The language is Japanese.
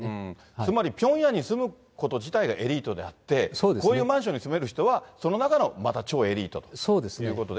つまりピョンヤンに住むこと自体がエリートであって、こういうマンションに住める人は、その中のまた超エリートということで。